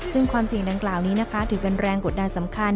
ซึ่งความเสี่ยงดังกล่าวนี้นะคะถือเป็นแรงกดดันสำคัญ